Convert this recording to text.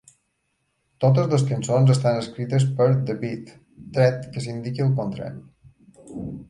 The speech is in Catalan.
Totes les cançons estan escrites per The Beat, tret que s'indiqui el contrari.